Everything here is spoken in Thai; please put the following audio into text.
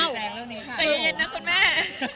อ้าวใจเย็นนะคุณแม่